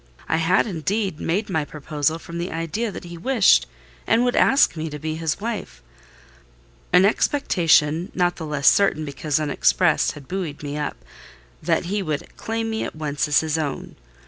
I had indeed made my proposal from the idea that he wished and would ask me to be his wife: an expectation, not the less certain because unexpressed, had buoyed me up, that he would claim me at once as his own.